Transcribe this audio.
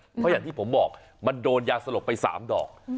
เพราะอย่างที่ผมบอกมันโดนยาสลบไป๓ดอก